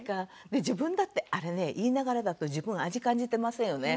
で自分だってあれね言いながらだと自分味感じてませんよね。